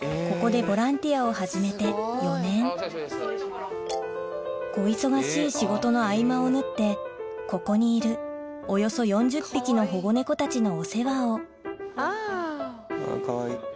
ここでボランティアを始めて４年小忙しい仕事の合間を縫ってここにいるおよそ４０匹の保護猫たちのお世話をかわいい。